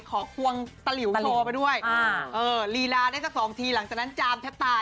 ควงตะหลิวโชว์ไปด้วยลีลาได้สักสองทีหลังจากนั้นจามแทบตาย